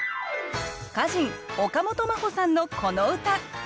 歌人岡本真帆さんのこの歌。